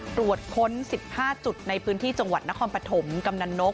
ตรวจค้น๑๕จุดในพื้นที่จังหวัดนครปฐมกำนันนก